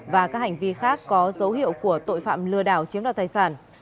và các hành vi khác có dấu hiệu của tội phạm lừa đảo chiếm đoạt tài sản